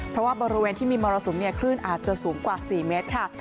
เพราะว่าบริเวณที่มีมรสุมคลื่นอาจจะสูงกว่า๔เมตรค่ะ